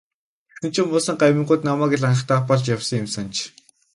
Тэгсэн чинь муусайн гамингууд намайг л даапаалж явсан юм санж.